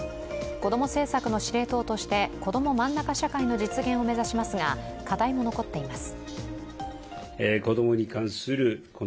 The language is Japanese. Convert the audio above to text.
こども政策の司令塔としてこどもまんなか社会の実現を目指しますが、課題も残っています。